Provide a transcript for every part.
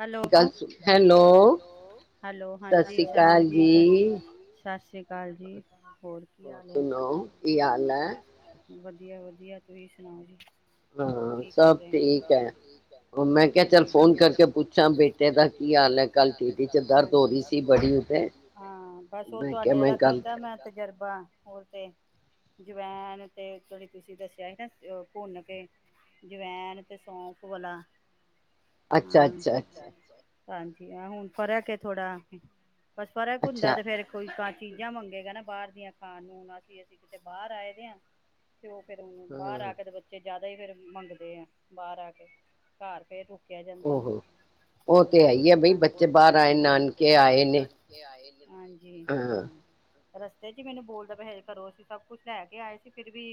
Hello, ਹਾਂਜੀ ਗੱਲ ਸੁਣ ਹੈਲੋ ਸਤਿ ਸ੍ਰੀ ਅਕਾਲ ਜੀ ਸਤਿ ਸ੍ਰੀ ਕਾਲ ਜੀ। ਕੀ ਹੋਰ ਹਾਲ ਸੁਣਾਓ ਕੀ ਹਾਲ ਐ? ਵਧੀਆ-ਵਧੀਆ ਤੁਸੀਂ ਸੁਣਾਓ ਜੀ। ਹੋਰ ਹਾਂ ਕੀ ਕਰ ਸਭ ਰਹੇ ਠੀਕ ਐ, ਮੈਂ ਕਿਹਾ ਚੱਲ ਹਾਂਜੀ ਫੋਨ ਕਰਕੇ ਪੁੱਛਾਂ ਬੇਟੇ ਦਾ ਕੀ ਹਾਲ ਹੈ ਕੱਲ ਟੀਡੀ ਚ ਦਰਦ ਹੋ ਰਹੀ ਸੀ ਬੜੀ ਉਹਦੇ ਹਾਂਜੀ, ਹਾਂ ਬਸ ਉਹ ਮੈਂ ਕਿਹਾ ਤੁਹਾਡੇ ਮੈਂ ਵਾਲਾ ਗੱਲ ਕੀਤਾ ਕਰ ਮੈਂ ਤਜਰਬਾ ਹੋਰ ਤੇ ਜਵੈਨ ਤੇ ਜਿਹੜੀ ਤੁਸੀਂ ਦੱਸਿਆ ਸੀ ਨਾ ਭੁੰਨ ਕੇ ਜਵੈਨ ਤੇ ਸੌਂਫ ਵਾਲਾ ਅੱਛਾ-ਅੱਛਾ, ਹਾਂ ਅੱਛਾ। ਹਾਂਜੀ ਹਾਂ, ਹੁਨ ਫਰਕ ਏ ਥੋੜਾ। ਬਸ ਫਰਕ ਹੁੰਦਾ ਅੱਛਾ ਤੇ ਫੇਰ ਕੋਈ ਕੱਟ ਚੀਜ਼ਾਂ ਮੰਗੇਗਾ ਨਾ ਬਾਹਰ ਦੀਆਂ ਖਾਣ ਨੂੰ ਹੁਨ ਅਸੀਂ ਅਸੀਂ ਕਿਤੇ ਬਾਹਰ ਆਏ ਦੇ ਹਾਂ। ਤੇ ਉਹ ਫੇਰ ਹੁਨ ਬਾਰ ਹਾਂ ਆ ਕੇ ਤੇ ਬੱਚੇ ਜ਼ਿਆਦਾ ਹੀ ਫੇਰ ਮੰਗਦੇ ਐ ਬਾਹਰ ਆ ਕੇ, ਘਰ ਫੇਰ ਰੁਕਿਆ ਹੂੰ, ਉਹੋ ਉਹ ਹਾਂਜੀ, ਤੇ ਹੈ ਹੀ ਹੈ ਬਈ ਬੱਚੇ ਬਾਹਰ ਆਏ ਨਾਨਕੇ ਆਏ ਨੇ ਹਾਂਜੀ ਹਾਂ। ਰਸਤੇ ਚ ਹੀ ਮੈਨੂੰ ਬੋਲਦਾ ਪਿਆ ਹਜੇ ਘਰੋਂ ਅਸੀਂ ਸਭ ਕੁਛ ਲੈ ਕੇ ਆਏ ਸੀ ਫਿਰ ਵੀ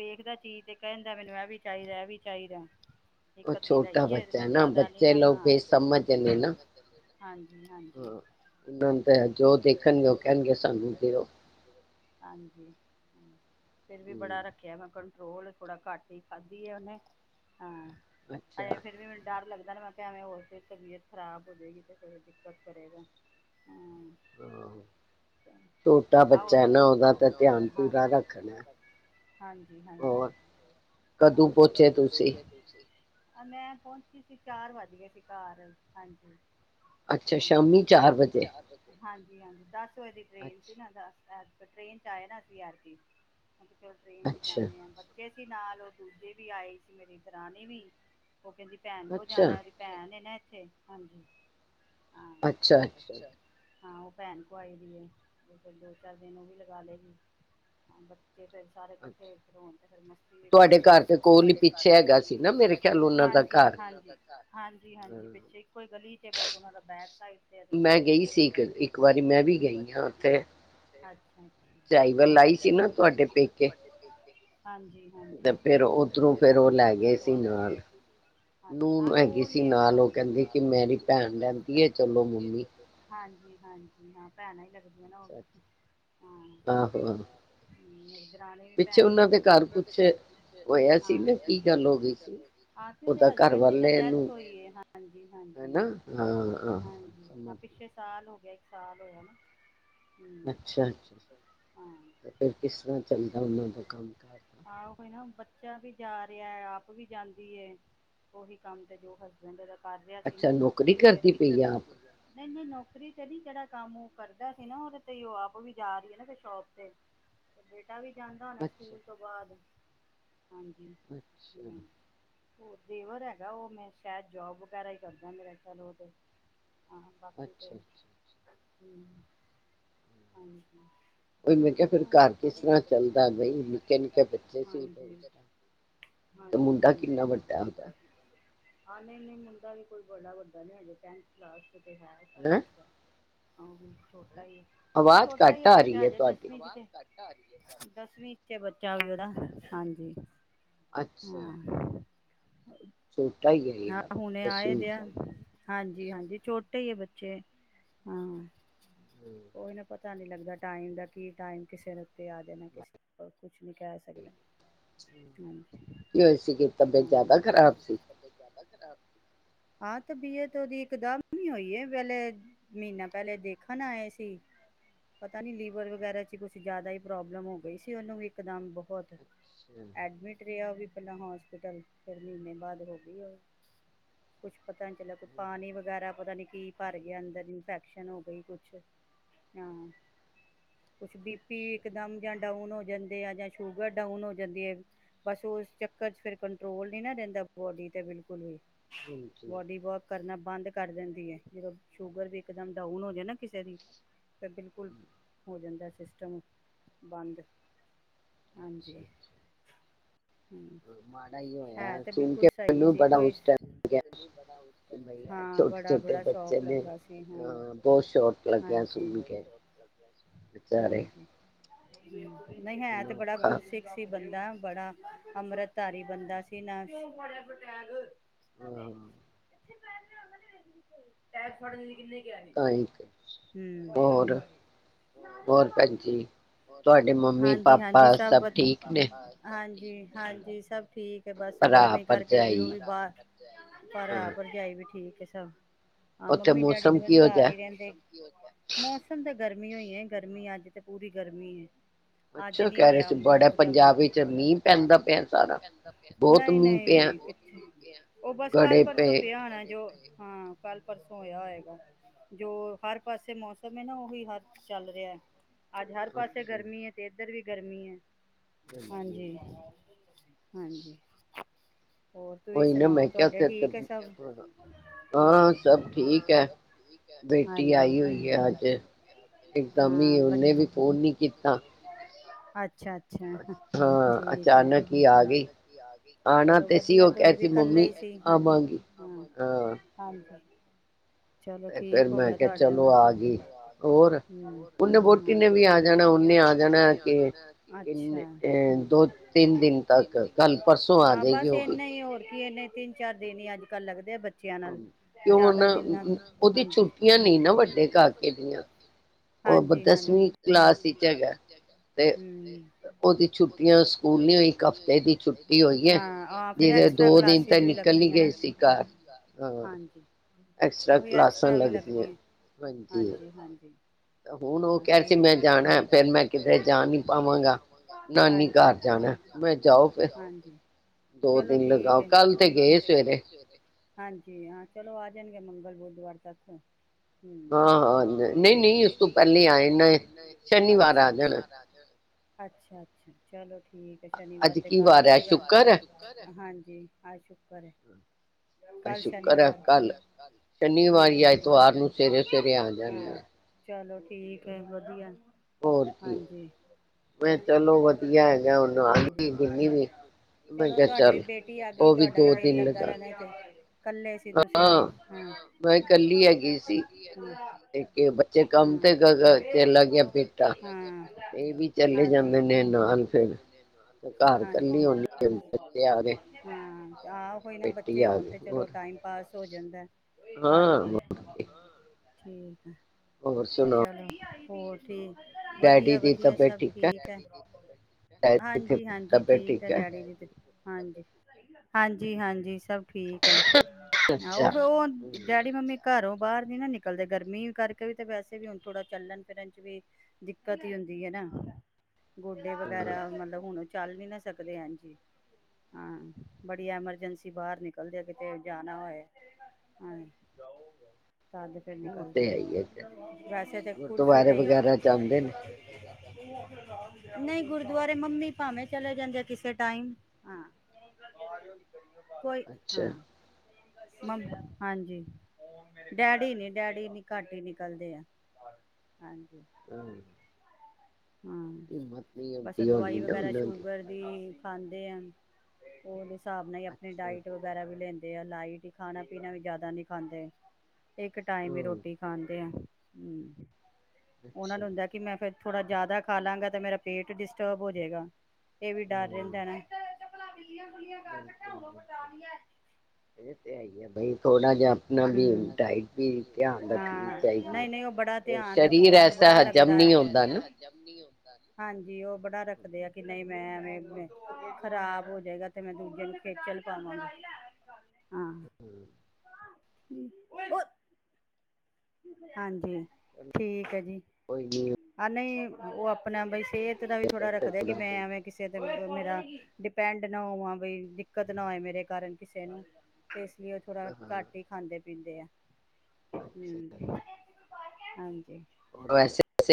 ਵੇਖਦਾ ਚੀਜ਼ ਤੇ ਕਹਿਣਦਾ ਮੈਨੂੰ ਇਹ ਵੀ ਚਾਹੀਦਾ, ਇਹ ਵੀ ਚਾਹੀਦਾ। ਉਹ ਛੋਟਾ ਬੱਚਾ ਨਾ ਜਾਦਾ ਨੀ ਬੱਚੇ ਨਾ ਲੋਕ ਹਾਂ, ਬੇਸਮਝ ਨੇ ਨਾ ਹਾਂਜੀ-ਹਾਂਜੀ, ਹਾਂ ਉਹਨਾਂ ਨੂੰ ਤਾਂ ਜੋ ਦੇਖਣਗੇ ਉਹ ਕਹਿਣਗੇ ਸਾਨੂੰ ਦਿਓ ਹਾਂਜੀ। ਫੇਰ ਵੀ ਬੜਾ ਰੱਖਿਆ ਮੈਂ ਕੰਟ ਰੋਲ ਥੋੜਾ ਘੱਟ ਹੀ ਖਾਧੀ ਏ ਉਹਨੇ। ਅੱਛਾ। ਰ ਲੱਗਦਾ ਨਾ ਮੈਂ ਕਿਹਾ ਐਵੇਂ ਹੋਰ ਫੇਰ ਤਬੀਅਤ ਖ਼ਰਾਬ ਹੋ ਜੇਗੀ ਤੇ ਦਿੱਕਤ ਕਰੇਗਾ। ਹੂੰ ਹਾਂ, ਛੋਟਾ ਆ ਹੋਰ ਬੱਚਾ ਐ ਨਾ ਉਹਦਾ ਤਾਂ ਧਿਆਨ ਹਾਂਜੀ ਪੂਰਾ ਰੱਖਣਾ, ਹਾਂਜੀ ਹਾਂਜੀ ਹੋਰ ਕਦੋਂ ਪੋਚੇ ਤੁਸੀਂ? ਆ ਮੈਂ ਪੋ ਸੀ ਚਾਰ ਵੱਜ ਗਏ ਸੀ ਘਰ ਹਾਂਜੀ। ਅੱਛਾ ਸ਼ਾਮੀ ਚਾਰ ਵਜੇ। ਹਾਂਜੀ-ਹਾਂਜੀ ਦਸ ਸ ਟ੍ਰੇਨ ਸੀ ਨਾ ਅੱਛਾ ਦੱਸ ਅ ਟ੍ਰੇਨ ਚ ਆਏ ਨਾ ਅਸੀਂ ਐਤਕੀ। ਅੱਜ ਕੱਲ ਟ੍ਰੇਨ ਚ ਅੱਛਾ ਜਾਂਨੇ ਆ ਬੱਚੇ ਬੱਚੇ ਨਾਲ ਉਹ ਦੂਜੇ ਵੀ ਆਏ ਸੀ ਮੇਰੀ ਦਰਾਣੀ ਵੀ ਉਹ ਕਹਿੰਦੀ ਭੈਨ ਕੋਲ ਅੱਛਾ ਜਾਨਾ ਉਹਦੀ ਭੈਨ ਏ ਨਾ ਥੇ ਹਾਂਜੀ। ਹਾਂ ਅੱਛਾ ਅੱਛਾ ਹਾਂ ਉਹ ਭੈਣ ਕੋ ਆਈ ਹੋਈ ਹੈ ਉਹ ਫਿਰ ਦੋ ਚਾਰ ਦਿਨ ਉਹ ਵੀ ਲਗਾ ਲਏਗੀ। ਤੇ ਫਿਰ ਸਾਰੇ ਅੱਛਾ ਇਕੱਠੇ ਹੋਣ ਆਣ ਤੇ ਫੇਰ ਮਸਤੀ ਵੀ ਤੁਹਾਡੇ ਕਰਦੇ ਆ ਘਰ ਦੇ ਕੋਲ ਹੀ ਤੁਹਾਡੇ ਘਰ ਪਿੱਛੇ ਦੇ ਹੈਗਾ ਕੋਲ ਨੀ ਸੀ ਨਾ ਪਿੱਛੇ ਮੇਰੇ ਹੈਗਾ। ਖਿਆਲ ਉਹਨਾਂ ਦਾ ਹਾਂਜੀ ਘਰ ਹਾਂਜੀ ਹਾਂਜੀ ਪਿੱਛੇ ਇੱਕੋ ਹੀ ਗਲੀ ਚ ਬਸ ਉਹਨਾਂ ਦਾ ਬੈਰ ਗਈ ਸੀ ਇੱਕ ਮੈਂ ਗਈ ਇੱਕ ਸੀ ਵਾਰੀ ਮੈਂ ਵੀ ਇਕ ਵਾਰ ਗਈ ਹਾਂ ਮੈਂ ਉੱਥੇ ਚਾਈਵਲ ਆਈ ਤੁਹਾਡੇ ਸੀ ਨਾ ਕੋਲ ਆਈ ਤੁਹਾਡੇ ਸੀ ਪੇਕੇ ਤੁਹਾਡੇ ਹਾਂਜੀ ਤੇ ਹਾਂਜੀ ਫੇਰ ਤੇ ਉੱਧਰੋਂ ਫੇਰ ਉਹ ਲੈ ਗਏ ਸੀ ਉਧਰ ਲੈ ਨਾਲ ਗਏ। ਨੂੰਹ ਹੈਗੀ ਸੀ ਨਾਲ ਉਹ ਕਹਿੰਦੀ ਕਿ ਮੇਰੀ ਭੈਣ ਰਹਿੰਦੀ ਹੈ ਚਲੋ ਮੰਮੀ। ਹਾਂਜੀ ਹਾਂਜੀ ਹਾਂ ਭੈਣ ਹੀ ਲਗਦੀ ਹਾ ਆਹੋ ਆਹੋ ਦਰਾਨੀ ਵੀ ਪਿੱਛੇ ਭੈਣ ਉਹਨਾਂ ਦੇ ਲੱਗਦੀ ਘਰ ਤੁਹਾਡੀ। ਕੁਛ ਹੋਇਆ ਸੀ ਨਾ ਕੀ ਗੱਲ ਹੋ ਗਈ ਸੀ ਆਸ਼ੂ ਦੇ ਉਹਦਾ ਹਸਬਡ ਘਰ ਕਹਿੰਦੀ ਤੇ ਵਾਲੇ ਡੈਥ ਨੂੰ ਹੋਈ ਹੈ ਹਾਂਜੀ ਹਨਾ ਹਾਂਜੀ ਹਾਂ ਹਾਂ ਹਾਂਜੀ। ਸਮਝ ਗਈ ਪਿਛਲੇ ਸਾਲ ਸਾਲ ਹੋ ਗਿਆ ਇੱਕ ਸਾਲ ਹੋਇਆ ਨਾ ਹਮ ਅੱਛਾ ਅੱਛਾ ਤੇ ਫਿਰ ਕਿਸ ਤਰ੍ਹਾਂ ਚੱਲਦਾ ਉਹਨਾਂ ਦਾ ਕੰਮ ਕਾਰ ਦਾ ਹਾਂ ਆਹੋ ਕੋਈ ਨਾ ਬੱਚਾ ਵੀ ਜਾ ਰਿਹਾ ਆਪ ਵੀ ਜਾਂਦੀ ਹੈ। ਉਹੀ ਕੰਮ ਤੇ ਜੋ ਹਸਬੈਂਡ ਕਰ ਰਿਹਾ ਸੀ ਨਾ ਅੱਛਾ ਨੌਕਰੀ ਕਰਦੀ ਪਈ ਆ ਆਪ ਨਹੀਂ ਨਹੀਂ ਨੌਕਰੀ ਤੇ ਨੀ ਜਿਹੜਾ ਕੰਮ ਉਹ ਕਰਦਾ ਸੀ ਨਾ ਉਹਦੇ ਤੇ ਉਹ ਆਪ ਵੀ ਜਾ ਰਹੀ ਹੈ ਨਾ ਫੇਰ ਸ਼ੋਪ ਤੇ ਮੁੰਡਾ ਵੀ ਜਾਂਦਾ ਹੋਣਾ ਅੱਛਾ ਸਕੂਲ ਤੋਂ ਬਾਅਦ ਹਾਂਜੀ ਅੱਛਾ ਹੂੰ ਹੋਰ ਦੇਵਰ ਹੈਗਾ ਉਹ ਮੈਂ ਸ਼ਾਇਦ ਜੋਬ ਵਗੈਰਾ ਹੀ ਕਰਦਾ ਮੇਰਾ ਖਿਆਲ ਉਹ ਤੇ ਹਾਂ ਬਾਕੀ ਦੇ ਅੱਛਾ ਅੱਛਾ ਹ ਹਾਂ ਉਹੀ ਮੈਂ ਕਿਹਾ ਫਿਰ ਘਰ ਕਿਸ ਤਰ੍ਹਾਂ ਚੱਲਦਾ ਬਈ ਨਿੱਕੇ ਨਿੱਕੇ ਬੱਚੇ ਸੀ ਤੇ ਮੁੰਡਾ ਹਾਂਜੀ-ਹਾਂਜੀ ਕਿੰਨਾ ਵੱਡਾ [unintelligible] ਹਾਂ ਨਹੀਂ ਨਹੀਂ ਮੁੰਡਾ ਵੀ ਕੋਈ ਬੜਾ ਵੱਡਾ ਨੀ ਹਜੇ ਟੈਥ ਕਲਾਸ ਕਿ ਹੈ ਸਾਰਾ ਹੈਂ ਕੁਛ ਆਹ ਉਹ ਵੀ ਆਵਾਜ਼ ਛੋਟਾ ਹੀ ਘੱਟ ਆ ਰਹੀ ਬੱਚਾ ਹੈ ਹਜੇ ਤੁਹਾਡੀ ਦਸਵੀਂ ਚ ਦਸਵੀਂ ਚ ਬੱਚਾ ਵੀ ਉਹਦਾ ਹਾਂਜੀ। ਅੱਛਾ ਹਾਂ ਛੋਟਾ ਹੀ ਹੈ ਹਾਂ ਹਜੇ ਹੁਣੇ ਆਏ ਦੱਸਵੀਂ ਦੇ ਆ ਹਾਂਜੀ ਹਾਂਜੀ ਛੋਟੇ ਹੀ ਹੈ ਬੱਚੇ ਹਾਂ ਹੂੰ ਕੋਈ ਨਾ ਪਤਾ। ਪਤਾ ਨਹੀਂ ਲੱਗਦਾ ਟਾਈਮ ਦਾ ਕਿ ਟਾਈਮ ਕਿਸੇ ਰ ਉੱਤੇ ਆ ਜਾਣਾ ਬਾਈ। ਕਿਸੇ ਕੁਛ ਨਹੀਂ ਕ ਸਕਦੇ ਹਾਂਜੀ। ਕੀ ਹੋਈ ਸੀ ਕਿ ਤਬੀਅਤ ਹਾਂ ਜ਼ਿਆਦਾ ਖ਼ਰਾਬ ਸੀ। ਹਾਂ ਤਬੀਅਤ ਓਦੀ ਇਕਦਮ ਹੋਈ ਪਹਿਲੇ ਮਹੀਨਾ ਪਹਿਲੇ ਦੇਖਣ ਨਾ ਆਏ ਸੀ ਪਤਾ ਨੀ ਲੀਵਰ ਵਗੈਰਾ ਚ ਕੁਛ ਜਿਆਦਾ ਹੀ ਪ੍ਰੋਬਲਮ ਹੋ ਗਈ ਸੀਓਨੂੰ ਵੀ ਇਕਦਮ ਬਹੁਤ ਅੱਛਾ ਐਡਮਿਟ ਰਿਆ ਬਪਲਾ ਹੋਸਪਿਟਲ ਫ ਮਹੀਨੇ ਬਾਅਦ ਹੋ ਗਈ ਕੁਛ ਪਤਾ ਨੀ ਚੱਲਿਆ ਪਾਣੀ ਵਗੈਰਾ ਪਤਾ ਨੀ ਕੀ ਭਰ ਗਿਆ ਅੰਦਰ ਇਨਫੈਕਸ਼ਨ ਹੋ ਗਈ ਕੁਛ ਹਾਂ ਕੁਛ ਬੀ ਪੀ ਅੱਛਾ ਇਕਦਮ ਜਾਂ ਡਾਊਨ ਹੋ ਜਾਂਦੇ ਆ ਜਾਂ ਸ਼ੂਗਰ ਡਾਊਨ ਹੋ ਜਾਂਦੀ ਹੈ ਬਸ ਉਸ ਚੱਕਰ ਚ ਫਿਰ ਨੀ ਨਾ ਰਹਿੰਦਾ ਬੋਡੀ ਤੇ ਬਿਲਕੁਲ ਵੀ ਹਾਂਜੀ ਬੋਡੀ ਵੋਕ ਕਰਨਾ। ਬੰਦ ਕਰ ਦਿੰਦੀ ਹੈ ਜਦੋਂ ਸ਼ੂਗਰ ਵੀ ਇੱਕਦਮ ਡਾਊਨ ਹੋ ਜਾਵੇ ਨਾ ਕਿਸੇ ਦੀ ਤਾਂ ਬਿਲਕੁਲ ਹੋ ਜਾਂਦਾ ਸਿਸਟਮ ਬੰਦ ਅੱਛਾ ਹਾਂਜੀ ਅੱਛਾ। ਹਮ। ਮਾੜਾ ਹੀ ਹੈ ਹੋਇਆ ਤੇ ਸੁਣ ਬਿਲਕੁਲ ਕੇ ਸਹੀ ਮੈਨੂੰ ਸੀ ਬੜਾ ਕੋਈ ਉਸ ਟਾਈਮ ਲੱਗਿਆ ਬਈ ਹਾਂ ਛੋਟੇ ਬੜਾ ਛੋਟੇ ਬੜਾ ਬੱਚੇ ਸ਼ੌਕ ਨੇ ਲੱਗਾ ਸੀ ਹਾਂ ਅ ਬਹੁਤ ਸ਼ੋਟ ਲੱਗਿਆ ਹਾਂਜੀ ਸੁਣ ਕੇ ਵਿਚਾਰੇ ਹਜੀ ਨਹੀਂ ਹੈ ਇੰਨਾ ਤੇ ਬੜਾ ਔਖਾ ਗੁਰਸਿੱਖ ਸੀ ਬੰਦਾ ਬੜਾ ਅੰਮ੍ਰਿਤ ਤਾਰੀ ਬਣਦਾ ਸੀ ਨਾ [inaudible] ਤੁਹਾਡੇ ਹਾਂ ਕਿੰਨੇ ਤਾਂ ਹੀ ਤੇ ਹੋਰ ਹੋਰ ਭੈਣ ਜੀ ਤੁਹਾਡੇ ਮੰਮੀ ਹਾਂਜੀ ਪਾਪਾ ਹਾਂਜੀ ਸਭ ਠੀਕ ਵਧੀਆ ਨੇ ਹਾਂਜੀ। ਜ ਹਾਂਜੀ। ਸਭ ਠੀਕ। ਕੇ ਬਸ ਭਰਾ ਗਰਮੀ ਕਰਕੇ ਵਿਊ ਭਰਜਾਈ ਵੀ ਬਾਹਰ ਪਰ ਆ ਹਾਂ ਭਰਜਾਈ ਵੀ ਠੀਕ ਇਹ ਸਾ ਹਾਂ ਉੱਥੇ ਮੰਮੀ ਡੈਡੀ ਮੌਸਮ ਤਾਂ ਬਸ ਕਿਹੋ ਘਰ ਜਿਹਾ ਹੀ ਰਹਿੰਦੇ ਮੌਸਮ ਦਾ ਗਰਮੀ ਹੋਈ ਹੈ ਗਰਮੀ ਅੱਜ ਤੇ ਪੂਰੀ ਗਰਮੀ ਹੈ। ਅੱਜ ਅੱਛਾ ਨੀ ਕਹਿ ਰਹੇ ਹੋਇਆ ਸੀ ਬੜਾ ਉਹੋ ਜਿਹਾ ਪੰਜਾਬ ਮੌਸਮ ਵਿੱਚ ਮੀਂਹ ਪੈਂਦਾ ਪੈਂਦਾ। ਨਹੀਂ ਨਹੀਂ ਨਹੀਂ ਉਹ ਬਸ ਕੱਲ ਗੜੇ ਪਰਸੋਂ ਪਏ ਪਿਆ ਹੋਣਾ ਜੋ ਹਾਂ ਕੱਲ ਪਰਸੋਂ ਹੋਇਆ ਹੋਏਗਾ ਜੋ ਹਰ ਪਾਸੇ ਮੌਸਮ ਹੈ ਨਾ ਉਹੀ ਹਰ ਚੱਲ ਰਿਹਾ ਹੈ। ਆਜ ਹਰ ਪਾਸੇ ਅੱਛਾ ਗਰਮੀ ਹੈ ਤੇਜ਼ ਇੱਧਰ ਵੀ ਗਰਮੀ ਹੈ। ਹਾਂਜੀ। ਹਾਂਜੀ। ਹੋਰ ਤੁਸੀਂ ਕੋਈ ਨਾ ਮੈਂ ਸੁਣਾਓ ਕਿਹਾ ਤੁਹਾਡੇ ਉਥੇ ਠੀਕ ਹੈ ਸਭ ਹਾਂ ਹਾਂਜੀ ਸਭ ਠੀਕ ਹੈ ਬੇਟੀ ਹਾਂਜੀ ਆਈ ਹੋਈ ਹੈ ਅੱਜ ਇਕਦਮ ਹੀ ਹਾਂ ਉਹਨੇ ਵੀ ਫੋਨ ਨਹੀਂ ਕੀਤਾ। ਅੱ ਅੱਛਾ ਅੱਛਾ ਹਾਂ ਠੀਕ। ਅਚਾਨਕ ਹੀ ਆ ਗਈ ਆਣਾ ਚਲੋ ਤੇ ਸੀ ਵਧੀਆ ਉਹ ਤੁਸੀਂ ਕਹਿ ਵੀ ਸੀ ਕੱਲੇ ਮੰਮੀ ਸੀ ਹਾਂਜੀ ਆਵਾਂਗੀ ਹਾਂ ਹਾਂਜੀ। ਚਲੋ ਤੇ ਫਿਰ ਠੀਕ ਹੋ ਮੈਂ ਗਿਆ ਕਿਹਾ ਤੁਹਾਡਾ ਹੂੰ ਚਲੋ ਆ ਗਈ ਹੋਰ ਉਹਨੇ ਵੋਟੀ ਹੂੰ ਨੇ ਵੀ ਆ ਜਾਣਾ ਉਹਨੇ ਆ ਜਾਣਾ ਕਿ ਤਿੰਨ ਅੱਛਾ। ਅ ਦੋ ਤਿੰਨ ਦਿਨ ਤੱਕ ਕੱਲ ਪਰਸੋਂ ਆ ਹਾਂ ਜਾਏਗੀ ਬਸ ਉਹ ਵੀ। ਇੰਨਾ ਹੀ ਹੋਰ ਕੀ ਇੰਨੇ ਤਿੰਨ ਚਾਰ ਦਿਨ ਹੀ ਅੱਜ ਕੱਲ ਲੱਗਦੇ ਬ ਬੱਚਿਆਂ ਨਾਲ ਕਿਉਂ ਹੁਣ ਜਿਆਦਾ ਦਿਨ ਨਾਲ ਉਹਦੀ ਛੁੱਟੀਆਂ ਨਹੀਂ ਨਾ ਵੱਡੇ ਹਾਂਜੀ। ਕਾਕੇ ਦੀਆਂ ਉਹ ਹਾਂਜੀ ਹਾਂਜੀ ਦਸਵੀਂ ਕਲਾਸ ਵਿੱਚ ਹੈਗਾ ਤੇ ਉਹਦੀ ਛੁੱਟੀਆਂ ਸਕੂਲ ਨੀ ਹੋਈ ਇੱਕ ਹਫ਼ਤੇ ਦੀ ਛੁੱਟੀ ਹੋਈ ਹੈ ਹਾਂ ਫਿਰ ਜਿਹਦੇ ਐਕਸਟ੍ਰਾ ਦੋ ਦਿਨ ਕਲਾਸਿਸ ਤਾਂ ਵੀ ਨਿਕਲ ਹੀ ਲੱਗਦੀਆ ਨਾ ਗਏ ਸੀ ਘਰ ਹਾਂ ਹਾਂਜੀ। ਐਕਸਟਰਾ ਉਹੀ ਕਲਾਸਾਂ ਐਕਸਟਰਾ ਵੀ ਲੱਗਦੀਆਂ ਲੱਗਦੀ ਹਾਂਜੀ। ਹੁਣ ਉਹ ਹਾਂ ਕਹਿ ਰਹੀ ਸੀ ਠੀਕ ਮੈਂ ਜਾਣਾ ਫੇਰ ਮੈਂ ਕਿਤੇ ਜਾ ਨੀ ਪਾਵਾਂਗਾ ਨਾਨੀ ਹਾਂਜੀ ਘਰ ਜਾਵ ਮੈਂ ਮੈਂ ਜਾਓ ਫਿਰ। ਹਾਂਜੀ ਦੋ ਚਲੋ ਦਿਨ ਠੀਕ ਲਗਾਓ ਹੈ। ਕੱਲ ਤੇ ਸਵੇਰੇ ਗਏ ਸੀ ਉਹ ਤੇ ਹਾਂਜੀ ਹਾਂ ਚਲੋ ਆ ਜਾਣਗੇ ਮੰਗਲ ਬੁੱਧਵਾਰ ਤੱਕ। ਹਾਂ ਹਾਂ-ਹਾਂ ਠੀਕ ਏ। ਨਹੀਂ-ਨਹੀਂ ਨਹੀਂ ਨਹੀਂ ਉਸ ਪਹਿਲੇ ਤੋਂ ਪਹਿਲਾ ਨੇ ਆਏ ਸੀ ਅੱਛਾ ਸ਼ਨੀਵਾਰ ਅੱਛਾ ਆ ਪਹਿਲੀ ਜਾਣਾ ਵਾਰ ਆ ਜਾਣਾ। ਅੱਛਾ ਅੱਛਾ ਚਲੋ ਠੀ ਠੀਕ ਹੈ ਸ਼ਨੀਵਾਰ ਅੱਜ ਤੇ ਕੀ ਕੱਲ ਵਾਰ ਹੀ ਹੈ ਹੈਗਾ ਅੱਜ ਕਿ ਵਾਰ ਸ਼ੁੱਕਰ ਹੈ ਸ਼ੁਕਰ ਹਾਂਜੀ ਅੱਜ ਸ਼ੁਕਰ ਹੈ। ਕੱਲ ਸ਼ੁੱਕਰ ਹੈ ਸ਼ਨੀਵਾਰ ਕੱਲ ਸ਼ਨੀਵਾਰ ਜਾਂ ਹਾਂਜੀ ਐਤਵਾਰ ਨੂੰ ਸਵੇਰੇ-ਸਵੇਰੇ ਆ ਜਾਣਗੇ ਚਲੋ ਠੀਕ ਹੈ ਵਧੀਆ ਹੋਰ ਕੀ ਹਾਂਜੀ। ਮੈਂ ਚਲੋ ਵਧੀਆ ਹੈਗਾ ਹੁਣ ਆ ਗਈ ਗਿੰਨੀ ਵੀ ਹਾਂ ਮੈਂ ਚਲੋ ਕਿਹਾ ਤੁਹਾਡੀ ਵੀ ਚੱਲ ਬੇਟੀ ਆ ਗਈ। ਉਹ ਤੁਹਾਡਾ ਦੋ ਵੀ ਦਿਲ ਦਿਨ ਲੱਗਾ ਲਗਾ ਰਹਿਣਾ ਤੇ ਹਾਂ ਮੈਂ ਇਕੱਲੀ ਹੈਗੀ ਸੀ ਤੇ ਬੱਚੇ ਕੰਮ ਹਾਂ ਤੇ ਗਏ ਚਲਾ ਗਿਆ ਬੇਟਾ ਹਾਂ ਇਹ ਵੀ ਚਲੇ ਜਾਂਦੇ ਹਾਂਜੀ ਨੇ ਨਾਲ ਫਿਰ। ਘਰ ਕੱਲੀ ਹਾਂਜੀ ਹੋਣੀ ਤੇ ਆ ਗਏ ਹਾਂ। ਆਹ ਕੋਈ ਨਾ ਬੇਟੀ ਬੱਚੇ ਆ ਹੋਣ ਗਏ ਤੇ ਚਲੋ ਹੋਰ ਟਾਈਮ ਪਾਸ ਹੋ ਜਾਂਦਾ ਐ। ਹਾਂ ਹਾਂਜੀ। ਹੋਰ ਕੀ ਠੀਕ ਐ। ਹੋਰ ਸੁਣਾਓ ਚਲੋ। ਹੋਰ ਠੀਕ ਡੈਡੀ ਦੀ ਵਧੀਆ-ਵਧੀਆ ਤਬੀਅਤ ਸਭ ਹੈ ਠੀਕ ਐ। ਡੈਡੀ ਦੀ ਹਾਂਜੀ ਹਾਂਜੀ ਤਬੀਅਤ ਠੀਕ ਏ ਹੈ ਡੈਡੀ ਦੀ ਤੇ ਹਾਂਜੀ ਹਾਂਜੀ ਹਾਂਜੀ ਸਭ ਠੀਕ ਹੈ ਆ ਉਹ ਅੱਛਾ ਫ ਉਹ ਹਮ, ਡੈਡੀ ਮੰਮੀ ਘਰੋਂ ਬਾਹਰ ਨੀ ਨਾ ਨਿਕਲਦੇ ਗਰਮੀ ਕਰਕੇ ਵੀ ਤੇ ਵੈਸੇ ਵੀ ਹੁਨ ਥੋੜਾ ਚੱਲਨ ਫਿਰਨ ਚ ਵੀ ਦਿੱਕਤ ਈ ਹੁੰਦੀ ਏ ਨਾ ਗੋਡੇ ਵਗੈਰਾ ਮਤਲਬ ਹੁਨ ਚੱਲ ਨੀ ਨਾ ਸਕਦੇ ਏੰਜ ਈ ਹਾਂ, ਬੜੀ ਐਮਰਜੈਂਸੀ ਬਾਹਰ ਨਿਕਲਦੇ ਆ ਕਿਤੇ ਜਾਨਾ ਹੋਏ ਹ ਤੱਦ ਫਿਰ ਉਹ ਨਿਕਲਦੇ ਤੇ ਐ ਹੈ ਹੀ ਹੈ ਫਿਰ। ਵੈਸੇ ਤਾਂ ਕੁਰਸੀ ਗੁਰਦੁਆਰੇ ਤੇਈ ਵਗੈਰਾ ਜਾਂਦੇ ਨੇ ਨਹੀਂ ਗੁਰਦੁਆਰੇ ਮੰਮੀ ਭਾਵੇਂ ਚਲੇ ਜਾਂਦੇ ਆ ਕਿਸੇ ਟਾਈਮ, ਹਾਂ ਕੋਈ, ਅੱਛਾ ਹਾਂ ਮੰਮੀ ਹਾਂਜੀ ਡੈਡੀ ਨੀ ਡੈਡੀ ਨੀ ਘੱਟ ਹੀ ਨਿਕਲਦੇ ਆ ਹਾਂਜੀ ਹਮ ਹਾਂ ਉਮਰ ਵੀ ਬਸ ਹੋਗੀ ਦਵਾਈ ਹੋਨੀ ਨੇ ਨਾ ਵਗੈਰਾ ਉਹਨਾਂ ਦੀ ਸ਼ੂਗਰ ਖਾਂਦੇ ਹੈ ਓਲਿਸ ਹਿਸਾਬ ਨਾਲ ਈ ਆਪਨੀ ਅੱਛਾ ਡਾਇਾਈਟ ਵਗੈਰਾ ਵੀ ਲੈਂਦੇ ਦੇ ਲਾਈਟ ਹੀ ਖਾਨਾ ਪੀਨਾ ਵੀ ਜ਼ਿਆਦਾ ਨਹੀਂ ਖਾਂਦੇ ਇੱਕ ਟਾਈਮ ਈ ਹਮ, ਰੋਟੀ ਖਾਂਦੇ ਆ ਹਮ ਉਹਨਾਂ ਅੱਛਾ ਨੂੰ ਹੁੰਦਾ ਕਿ ਮੈਂ ਫੇਰ ਥੋੜਾ ਜ਼ਿਆਦਾ ਖਾ ਲਾਂਗਾ ਤੇ ਮੇਰਾ ਪੇਟ ਡਿਸਟਰਬ ਹੋ ਜਾਏਗਾ ਇਹ ਵੀ ਡਰ ਹਮ, ਰਹਿੰਦਾ ਨਾ ਬਿਲਕੁਲ ਬਿਲਕੁਲ ਇਹ ਤੇ ਹੈਈ ਆ ਨਹੀਂ ਹਮ ਧਿਆਨ ਰੱਖਣੀ ਹਾਂ ਚਾਹੀਦੀ ਨਹੀਂ ਹੈ। ਨਹੀਂ ਉਹ ਬੜਾ ਫਿਰ ਧਿਆਨ ਰੱਖਦੇ ਸਰੀਰ ਓਨ੍ਹਾ ਨੂੰ ਐਸਾ ਬੜਾ ਹਜ਼ਮ ਲੱਗਦਾ ਨਹੀਂ ਹੈ ਹੁੰਦਾ ਨਾ ਹਾਂਜੀ ਉਹ ਬੜਾ ਰਖ ਰਖਦੇ ਆ ਕਿ ਨਹੀਂ ਮੈਂ ਐਵੇਂ ਖ਼ਰਾਬ ਹੋ ਜਾਏਗਾ ਤੇ ਮੈਂ ਦੂਜੇ ਨੂੰ ਖੇਚਲ ਪਾਵਾਂਗਾ ਹਮ ਹਮ ਉਏ ਹਾਂਜੀ ਠੀਕ ਹੈ ਜੀ ਕੋਈ ਨੀ ਆ ਨਹੀਂ ਉਹ ਅਪਨਾ ਬਈ ਸਿਹਤ ਦਾ ਵੀ ਥੋੜਾ ਫਿਰ ਰੱਖਦੇ ਆ ਕਿ ਥੋੜਾ ਮੈਂ ਐਵੇਂ ਕਿਸੇ ਦੇ ਮਤਲਬ ਮੇਰਾ ਡਿਪੈਂਡ ਨਾ ਹੋਵਾਂ ਬਈ ਦਿੱਕਤ ਨਾ ਹੋਏ ਮੇਰੇ ਕਾਰਨ ਕਿਸੇ ਨੂੰ ਤੇ ਇਸ ਲਈ ਉਹ ਥੋੜ੍ਹਾ ਹਾਂ ਘੱਟ ਹੀ ਖਾਂਦੇ [inaudible] ਅੱਛਾ ਅੱਛ ਹਾਂਜ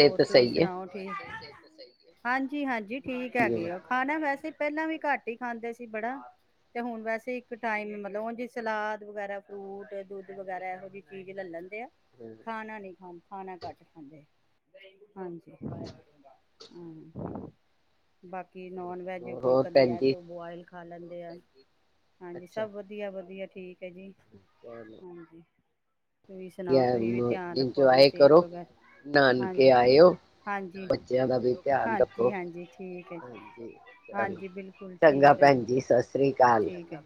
ਹੋਰ ਤੁਸੀਂ ਸਹੀ ਹੈ। ਸੁਣਾਓ ਠੀਕ? ਹਾਂਜੀ ਹਾਂਜੀ। ਠੀਕ ਹੈਗੇ ਓ ਖਾਣਾ ਵੈਸੇ ਪਹਿਲਾਂ ਵੀ ਘੱਟ ਹੀ ਖਾਂਦੇ ਸੀ ਬੜਾ ਤੇ ਹੁਣ ਵੈਸੇ ਇੱਕ ਟਾਈਮ ਮਤਲਬ ਉਨਜ ਸਲਾਦ ਵਗੈਰਾ ਫਰੂਟ ਦੁੱਧ ਵਗੈਰਾ ਇਹੋ ਜਿਹੀ ਚੀਜ਼ ਲੈ ਦੇ ਖਾਣਾ ਨਹੀਂ ਖਾਂਦੇ। ਖਾਣਾ ਕਟ ਖਾਂਦੇ ਹਾਂਜੀ ਹਮ। ਬਾਕੀ ਨੋਨ ਵੈਜ ਕੋਈ ਹੋਰ ਕਦੀ ਭੈਣ ਐੱਗ ਜੀ ਬੋਆਇਲ ਖਾ ਲੈਂਦੇ ਆ। ਹਾਂਜੀ ਅੱਛਾ ਸਭ ਵਧੀਆ ਵਧੀਆ। ਠੀਕ। ਓਕੇ ਜੀ ਚਲੋ ਹਾਂਜੀ। ਤੁਸੀਂ ਸੁਣਾਓ ਵਧੀਆ ਤੁਸੀਂ ਵੀ ਧਿਆਨ ਰੱਖੋ ਆਪਣੀ ਇੰਜੋਏ ਸੇਹਤ ਕਰੋ। ਵਗੈਰਾ ਨਾਨਕੇ ਹਾਂਜੀ ਆਏ ਹੋ ਹਾਂਜੀ ਬੱਚਿਆਂ ਦਾ ਵੀ ਧਿਆਨ ਹਾਂਜੀ ਰੱਖੋ ਹਾਂਜੀ ਠੀਕ ਹੈ ਹਾਂਜੀ ਜੀ ਚਲੋ ਹਾਂਜੀ ਬਿਲਕੁਲ ਚੰਗਾ ਠੀਕ ਹੈ ਜੀ ਭੈਣ ਸਤਿ ਸ੍ਰੀ ਅਕਾਲ ਠੀਕ ਹੈ।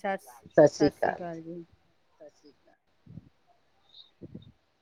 ਸਤ ਸਤਿ ਸ਼੍ਰੀ ਅਕਾਲ ਜੀ। ਸਤਿ ਸ੍ਰੀ ਅਕਾਲ। [inaudible]